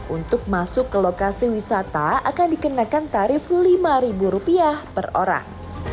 untuk masuk ke lokasi wisata akan dikenakan tarif rp lima per orang